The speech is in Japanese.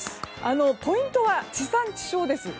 ポイントは、地産地消です。